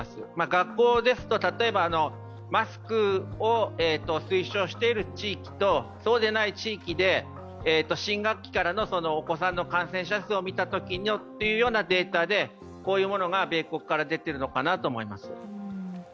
学校ですと、例えばマスクを推奨している地域とそうでない地域で、新学期からのお子さんの感染者数を見たときのデータでこういうものが米国から出ているのかなと思います。